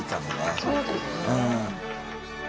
そうですね。